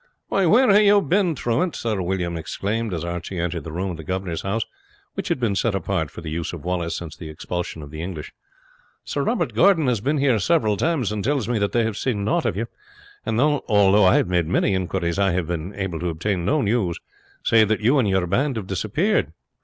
"Why, where have you been, truant?" Sir William exclaimed as Archie entered the room in the governor's house which had been set apart for the use of Wallace since the expulsion of the English. "Sir Robert Gordon has been here several times, and tells me that they have seen nought of you; and although I have made many inquiries I have been able to obtain no news, save that you and your band have disappeared.